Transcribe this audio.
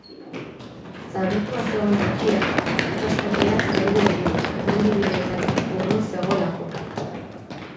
Zauritua zegoen tokiak erreskatea zaildu egin du, mendi-bideetatik urrun zegoelako.